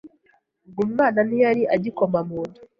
Ubwo umwana ntiyari agikoma munda